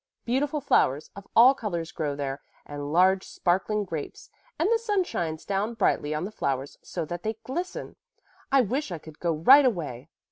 Beautiful flowers of all colors grow there and large sparkling grapes, and the sun shines down brightly on the flowers so that they glisten! I wish I could go right away!'